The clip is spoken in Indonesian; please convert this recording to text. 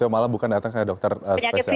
malah bukan datang ke dokter spesialis